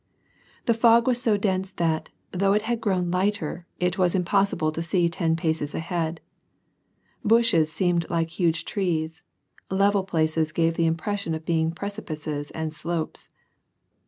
The fog was so dense that, though it had grown lighter, it was impossible to see ten paces ahead. Bushes seemed like huge trees, level places gave the impression of being precipices and slopes.